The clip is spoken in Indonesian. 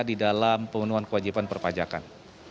di dalam pemenuhan kewajiban perpajakan